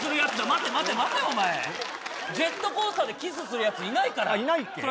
待て待て待てお前ジェットコースターでキスするやついないからいないっけ？